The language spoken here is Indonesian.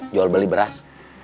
jual beli beras